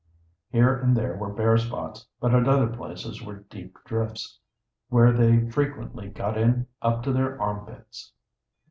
Here and there were bare spots, but at other places were deep drifts, where they frequently got in up to their armpits.